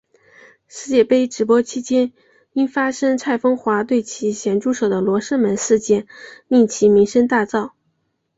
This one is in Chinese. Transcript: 世界杯直播期间因发生蔡枫华对其咸猪手的罗生门事件令其声名大噪。